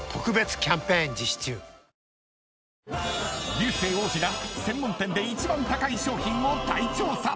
［流星王子が専門店で一番高い商品を大調査］